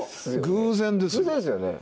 偶然ですよ。